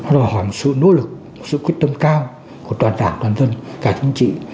nó là hỏi một sự nỗ lực một sự quyết tâm cao của toàn đảng toàn dân cả chính trị